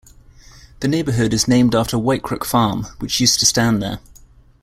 The neighbourhood is named after Whitecrook farm, which used to stand there.